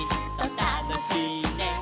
「たのしいね」